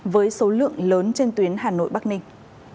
với số lượng lớn trên tuyến hà nội bắc ninh